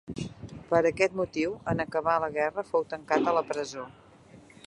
Per aquest motiu en acabar la guerra fou tancat a la presó.